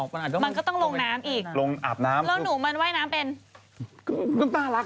ไม่จริงหรอมันเล่นเล่นรึเปล่า